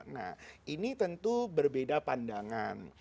nah ini tentu berbeda pandangan